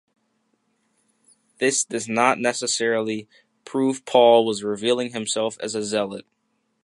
This does not necessarily prove Paul was revealing himself as a Zealot.